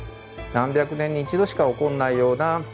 何百年に一度しか起こらないような現象です